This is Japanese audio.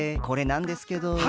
これなんですけど。